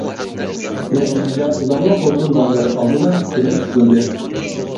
نەتىجىدە ئۇلارنىڭ خوتۇن-بالىلىرى ئالدىدا تىلى قىسىلدى.